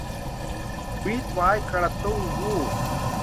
วี้ดว้ายกระตู้วู้